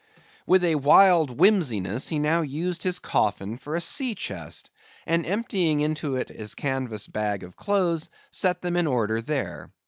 With a wild whimsiness, he now used his coffin for a sea chest; and emptying into it his canvas bag of clothes, set them in order there.